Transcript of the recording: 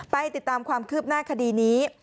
ไปติดตามความคืบหน้าคดีนี้